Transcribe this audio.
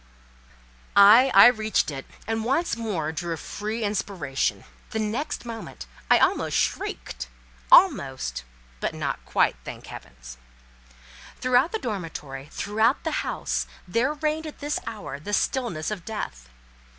Ay! I reached it, and once more drew a free inspiration. The next moment, I almost shrieked—almost, but not quite, thank Heaven! Throughout the dormitory, throughout the house, there reigned at this hour the stillness of death.